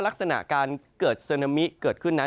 ลักษณะการเกิดซึนามิเกิดขึ้นนั้น